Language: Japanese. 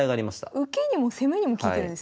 受けにも攻めにも利いてるんですね。